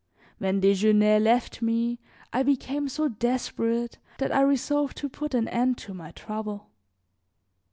When Desgenais left me I became so desperate that I resolved to put an end to my trouble.